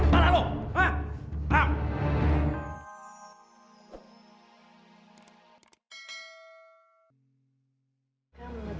mau bolongin kepala lo